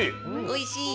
おいしい？